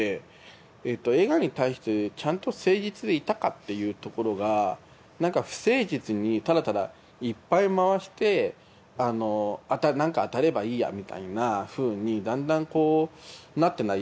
映画に対してちゃんと誠実でいたかっていうところがなんか不誠実にただただいっぱい回してなんか当たればいいやみたいなふうにだんだんこうなってない？